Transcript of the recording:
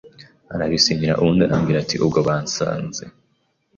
arabisinyira ubundi armbwira ati ubwo basanze